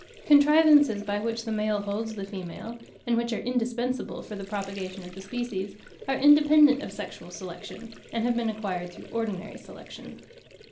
Contrivances by which the male holds the female, and which are indispensable for the propagation of the species, are independent of sexual selection, and have been acquired through ordinary selection.